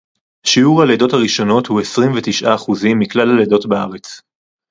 שיעור הלידות הראשונות הוא עשרים ותשעה אחוזים מכלל הלידות בארץ